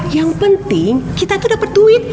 yang penting kita tuh dapat duit